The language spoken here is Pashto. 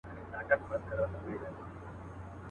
خلک روڼي اوږدې شپې کړي د غوټۍ په تمه تمه.